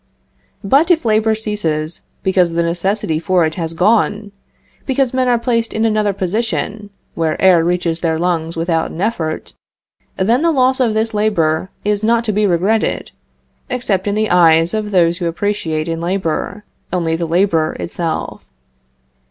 But if labor ceases, because the necessity for it has gone; because men are placed in another position, where air reaches their lungs without an effort, then the loss of this labor is not to be regretted, except in the eyes of those who appreciate in labor, only the labor itself.